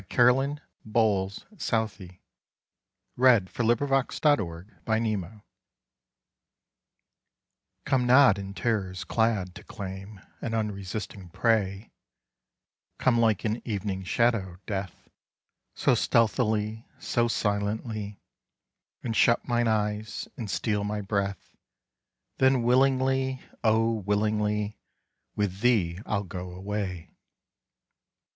1907. By Poems. V. To Death Caroline (Bowles) Southey (1787–1854) COME not in terrors clad, to claimAn unresisting prey:Come like an evening shadow, Death! So stealthily, so silently! And shut mine eyes, and steal my breath; Then willingly—oh! willingly, With thee I'll go away.